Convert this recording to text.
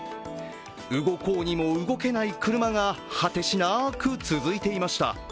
動こうにも動けない車が果てしなく続いていました。